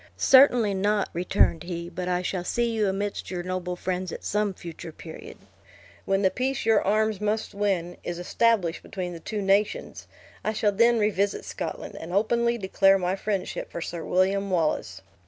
"Certainly not," returned he; "but I shall see you amidst your noble friends, at some future period. When the peace your arms must win, is established between the two nations, I shall then revisit Scotland; and openly declare my friendship for Sir William Wallace."